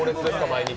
毎日。